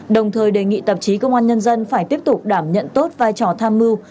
đồng thời đề nghị tạp chí công an nhân dân phải tiếp tục đảm nhận tốt vai trò tham mưu